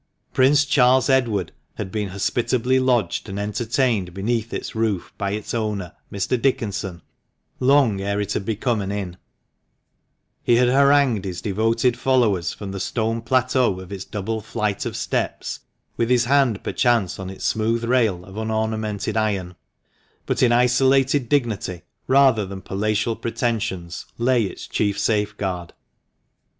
Prince Charles Edward had been hospitably lodged and entertained beneath its roof by its owner, Mr. Dickenson, long ere it became an inn ; he had harangued his devoted followers from the stone plateau of its double flight of steps, with his hand perchance on its smooth rail of unornamented iron ; but in isolated dignity rather than palatial pretensions lay its chief safeguard.